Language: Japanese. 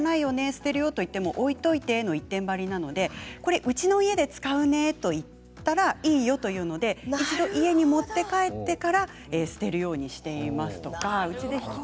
捨てるよと言っても置いておいての一点張りなのでうちの家で使うねと言ったらいいよというので家に持って帰ってから捨てるようにしています。